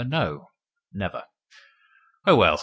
"No, never." "Oh, well.